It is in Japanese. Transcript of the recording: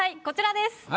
こちらです。